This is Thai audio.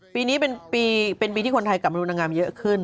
ปีนี้เป็นปีที่คนไทยกลับมาดูนางงามเยอะขึ้น